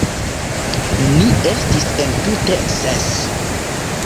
Ni estis entute ses.